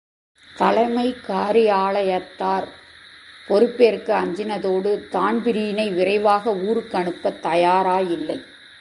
தலைமைக் காரியாலயத்தார் பொறுப்பேற்க அஞ்சினதோடு, தான்பிரீனை விரைவாக ஊருக்கு அனுப்பத் தயாராயில்லை.